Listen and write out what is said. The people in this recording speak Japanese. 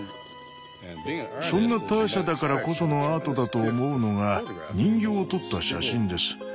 そんなターシャだからこそのアートだと思うのが人形を撮った写真です。